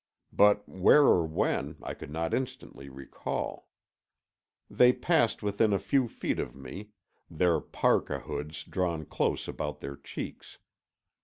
But where or when, I could not instantly recall. They passed within a few feet of me, their parka hoods drawn close about their cheeks.